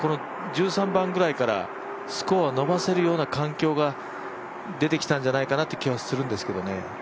１３番ぐらいからスコアを伸ばせるような環境が出てきたんじゃないかなっていう気はするんだけどね。